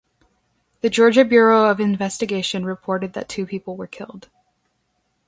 The Georgia Bureau of Investigation reported that two people were killed.